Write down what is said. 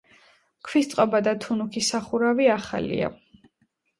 ქვის წყობა და თუნუქის სახურავი ახალია.